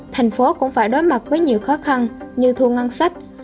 thành phố cũng phải đối mặt với nhiều khó khăn như thu ngân sách